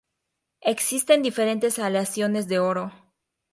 Existen diferentes aleaciones de Oro.